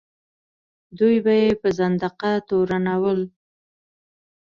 دوی به یې په زندقه تورنول.